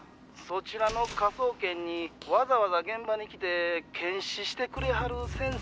「そちらの科捜研にわざわざ現場に来て検視してくれはる先生がいるとか」